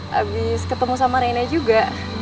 habis ketemu sama rina juga